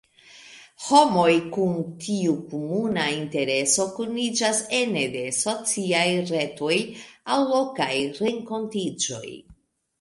Homoj kun tiu komuna intereso kuniĝas ene de sociaj retoj aŭ lokaj renkontiĝoj.